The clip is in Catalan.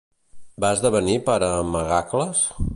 Va esdevenir pare Mègacles?